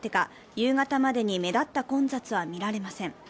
夕方までに目立った混雑は見られません。